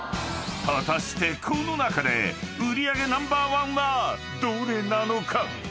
［果たしてこの中で売り上げナンバーワンはどれなのか？］